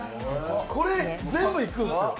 これ、全部いくんすか？